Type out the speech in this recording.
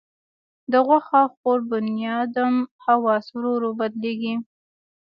د غوښه خور بنیادم حواس ورو ورو بدلېږي.